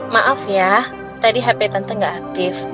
maaf ya tadi hp tante gak aktif